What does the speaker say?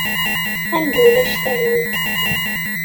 Anda ulac talwit.